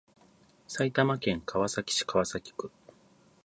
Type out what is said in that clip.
埼玉県川崎市川崎区